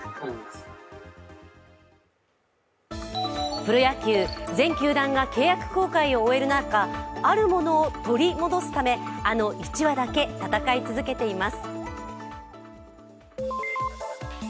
プロ野球、全球団が契約更改を終える中、あるものを取り戻すため、あの１羽だけ戦い続けています。